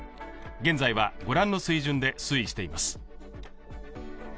現在はご覧の水準で推移しています。